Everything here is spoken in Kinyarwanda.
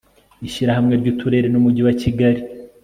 ishyirahamwe ry'uturere n'umujyi wa kigali